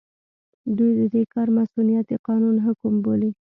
دوی د دې کار مصؤنيت د قانون حکم بولي.